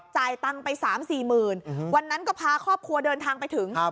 จ่ายตังค์ไป๓๔๐๐๐วันนั้นก็พาครอบครัวเดินทางไปถึง